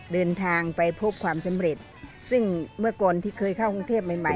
เดินทางไปพบความสำเร็จซึ่งเมื่อก่อนที่เคยเข้ากรุงเทพใหม่ใหม่